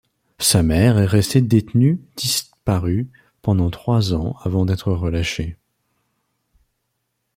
Sa mère est restée détenue-disparue pendant trois ans avant d'être relâchée.